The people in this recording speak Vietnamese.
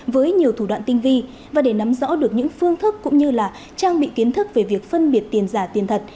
với nhiều thủ đoạn tinh vi và để nắm rõ được những phương thức cũng như trang bị kiến thức về việc phân biệt tiền giả tiền thật